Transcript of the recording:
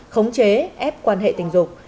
khống chế ép quan hệ tình dục